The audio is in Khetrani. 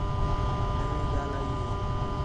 نویں ڳالھ ای ہِے